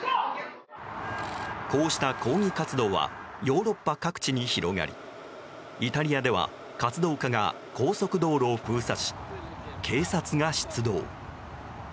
こうした抗議活動はヨーロッパ各地に広がりイタリアでは活動家が高速道路を封鎖し、警察が出動。